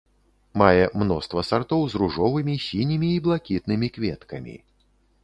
Мае мноства сартоў з ружовымі, сінімі і блакітнымі кветкамі.